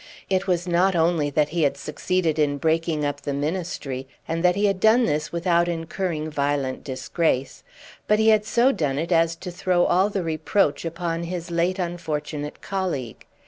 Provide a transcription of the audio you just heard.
It was not only that he had succeeded in breaking up the Ministry, and that he had done this without incurring violent disgrace; but he had so done it as to throw all the reproach upon his late unfortunate colleague.